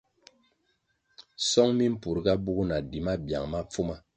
Song mi mpurga bugu na di mabiang ma pfuma.